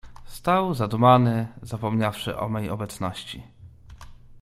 "Stał zadumany, zapomniawszy o mej obecności."